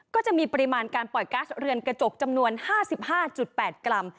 ก็จะมีปริมาณการปล่อยก๊าซเรือนกระจกจำนวน๕๕๘กรัม